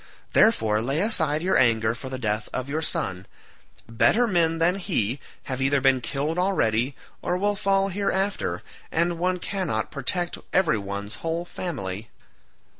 Therefore lay aside your anger for the death of your son; better men than he have either been killed already or will fall hereafter, and one cannot protect every one's whole family."